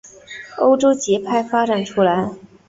欧洲节拍发展出来。